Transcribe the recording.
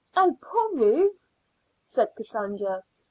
"Oh, poor Ruth!" said Cassandra.